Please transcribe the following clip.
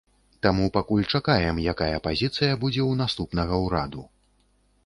Таму пакуль чакаем, якая пазіцыя будзе ў наступнага ўраду.